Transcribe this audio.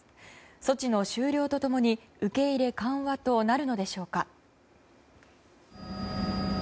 措置の終了とともに受け入れ緩和となるのでしょうか。